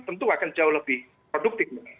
tentu akan jauh lebih produktif